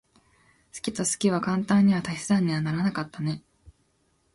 好きと好きは簡単には足し算にはならなかったね。